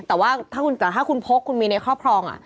แต่ว่าถ้าคุณพกคุณมีในครอบครอง